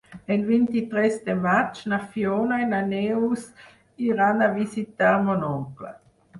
El vint-i-tres de maig na Fiona i na Neus iran a visitar mon oncle.